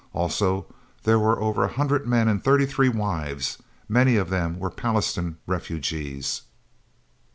Also there were over a hundred men and thirty three wives. Many of them were Pallastown refugees.